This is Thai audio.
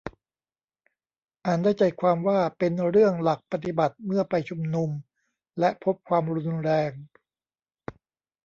อ่านได้ใจความว่าเป็นเรื่องหลักปฏิบัติเมื่อไปชุมนุมและพบความรุนแรง